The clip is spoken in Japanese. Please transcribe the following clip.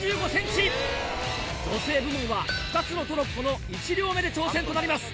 女性部門は２つのトロッコの１両目で挑戦となります。